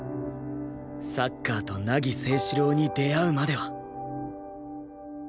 サッカーと凪誠士郎に出会うまでは